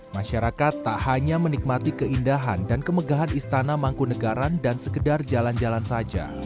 masyarakat tak hanya menikmati keindahan dan kemegahan istana mangkunegaran dan sekedar jalan jalan saja